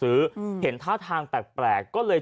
เพราะเป็นคนงานขับรถไปตามใต้งานพวกเนี่ย